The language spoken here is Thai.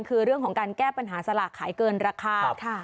คือเรื่องของการแก้ปัญหาสลากขายเกินราคา